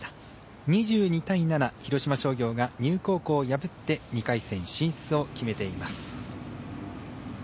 広島商業が丹生高校を破って２回戦進出を決めています。